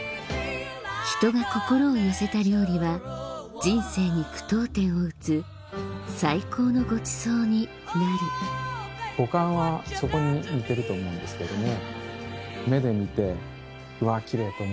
人が心を寄せた料理は人生に句読点を打つ最高のごちそうになる五感はそこに似てると思うんですけれども。